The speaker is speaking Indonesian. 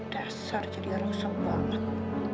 dasar jadi rusak banget